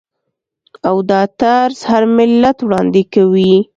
او دا طرز هر ملت وړاندې کوي.